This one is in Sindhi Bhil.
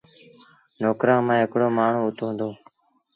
نوڪرآݩٚ مآݩٚ هڪڙو مآڻهوٚٚ اُت هُݩدو